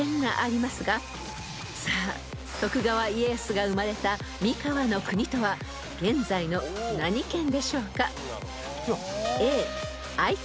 ［さあ徳川家康が生まれた三河国とは現在の何県でしょうか？］